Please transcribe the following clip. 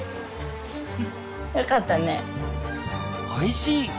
おいしい？